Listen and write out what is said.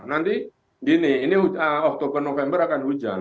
nanti gini ini waktu ke november akan hujan